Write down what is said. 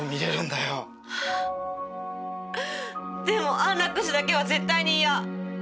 でも安楽死だけは絶対に嫌。